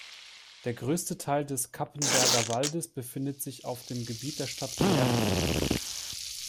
Der größte Teil des Cappenberger Waldes befindet sich auf dem Gebiet der Stadt Werne.